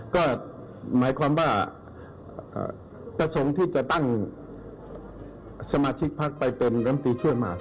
ก็หมายความว่าประสงค์ที่จะตั้งสมาชิกพักไปเป็นลำตีช่วยมา